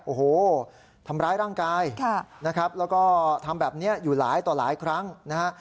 โอ้โหทำร้ายร่างกายนะครับแล้วก็ทำแบบนี้อยู่หลายต่อหลายครั้งนะฮะ